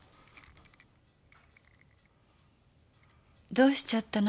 どうしちゃったの？